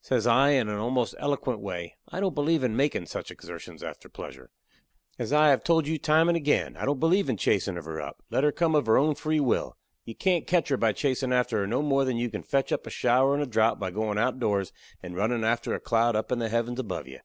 Says I, in a almost eloquent way: "I don't believe in makin' such exertions after pleasure. As I have told you time and agin, I don't believe in chasin' of her up. Let her come of her own free will. You can't ketch her by chasin' after her no more than you can fetch up a shower in a drowth by goin' outdoors and runnin' after a cloud up in the heavens above you.